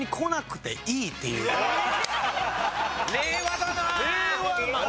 令和だなあ。